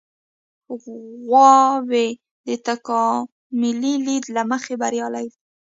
غواوې د تکاملي لید له مخې بریالۍ دي.